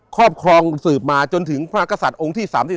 ครอบครองสืบมาจะมาจนถึงมหากศัตริย์องค์ที่๓๓